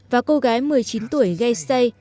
và cô gái một mươi chín tuổi gay say